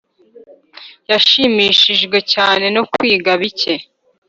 yashimishijwe cyane no kwiga bike